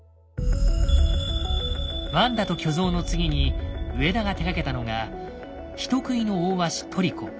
「ワンダと巨像」の次に上田が手がけたのが「人喰いの大鷲トリコ」。